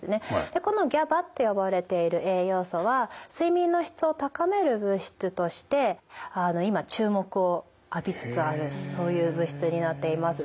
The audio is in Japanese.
でこのＧＡＢＡって呼ばれている栄養素は睡眠の質を高める物質として今注目を浴びつつあるという物質になっています。